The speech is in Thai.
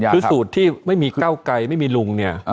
คือสูตรที่ไม่มีเก้าไกรไม่มีลุงเนี่ย